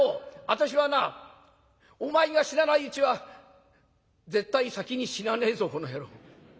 私はなお前が死なないうちは絶対先に死なねえぞこの野郎。